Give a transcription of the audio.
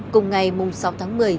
cùng ngày sáu tháng một mươi